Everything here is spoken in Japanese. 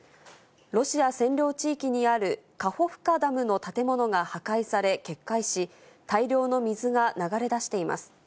ロシア占領地域にあるカホフカダムの建物が破壊され、決壊し、大量の水が流れ出しています。